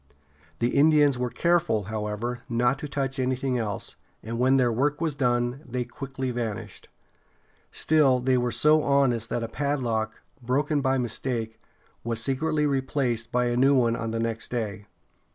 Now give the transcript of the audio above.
The Indians were careful, however, not to touch anything else, and when their work was done, they quickly vanished. Still, they were so honest that a padlock, broken by mistake, was secretly replaced by a new one on the next day.